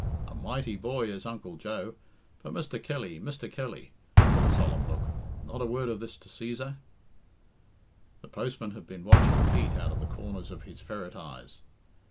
A mighty boy is Uncle Joe. But, Mr. Kelly, Mr. Kelly," with a solemn look, "not a word of this to Cæsar?" The postman had been watching Pete out of the corners of his ferret eyes.